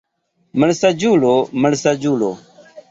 Malsaĝulo, malsaĝulo!